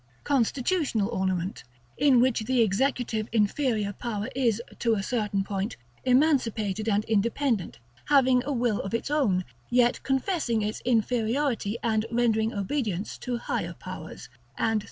Constitutional ornament, in which the executive inferior power is, to a certain point, emancipated and independent, having a will of its own, yet confessing its inferiority and rendering obedience to higher powers; and 3.